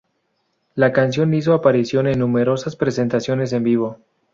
La canción hizo aparición en numerosas presentaciones en vivo.